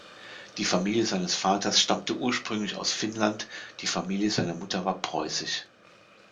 Die Familie seines Vaters stammte ursprünglich aus Finnland, die Familie seiner Mutter war preußisch.